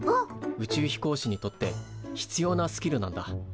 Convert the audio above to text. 宇宙飛行士にとって必要なスキルなんだ。